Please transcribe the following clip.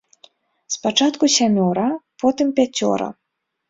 Спачатку сямёра, потым пяцёра.